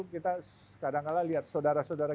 kita kadang kadang lihat saudara saudara